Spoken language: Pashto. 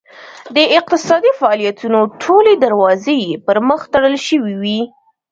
د اقتصادي فعالیتونو ټولې دروازې یې پرمخ تړل شوې وې.